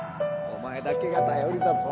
お前だけが頼りだぞ。